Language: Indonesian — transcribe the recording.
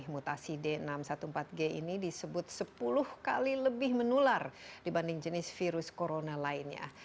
mutasi d enam ratus empat belas g ini disebut sepuluh kali lebih menular dibanding jenis virus corona lainnya